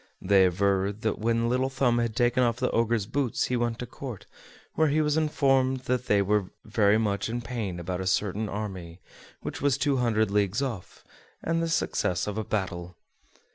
They aver that when Little Thumb had taken off the Ogre's boots he went to Court, where he was informed that they were very much in pain about a certain army, which was two hundred leagues off, and the success of a battle.